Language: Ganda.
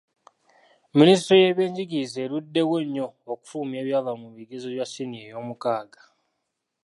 Minisitule y'ebyenjigiriza eruddewo nnyo okufulumya ebyava mu bigezo bya siniya eyomukaaga.